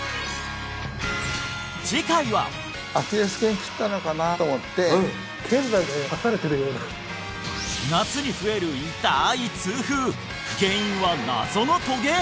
次回は夏に増える痛い痛風原因は謎のトゲ！？